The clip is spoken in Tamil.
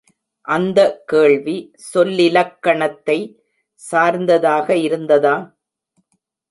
அந்த கேள்வி சொல்லிலக்கணத்தை சார்ந்ததாக இருந்ததா?